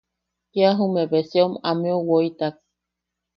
Kia jume beseom ameu woitak.